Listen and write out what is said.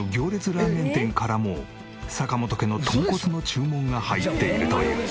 ラーメン店からも坂本家の豚骨の注文が入っているという。